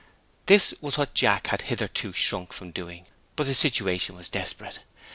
This was what Linden had hitherto shrunk from doing, but the situation was desperate.